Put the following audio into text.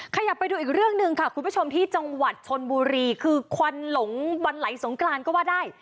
ขยับไปดูอีกเรื่องหนึ่งค่ะคุณผู้ชมที่จังหวัดชนบุรีคือควันหลงวันไหลสงกรานก็ว่าได้